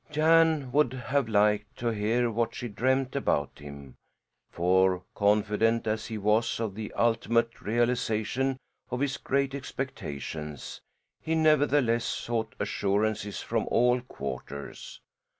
Jan would have liked to hear what she dreamed about him, for confident as he was of the ultimate realization of his great expectations, he nevertheless sought assurances from all quarters.